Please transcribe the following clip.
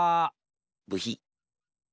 ブヒ。